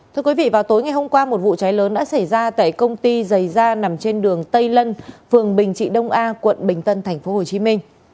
thưa quý vị vào tối ngày hôm qua một vụ cháy lớn đã xảy ra tại công ty giày da nằm trên đường tây lân phường bình trị đông a quận bình tân tp hcm